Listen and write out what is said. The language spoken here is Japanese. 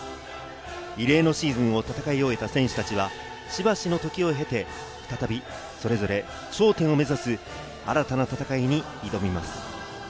異例のシーズンを戦い終えた選手たちはしばしの時を経て、再びそれぞれ頂点を目指す新たな戦いに挑みます。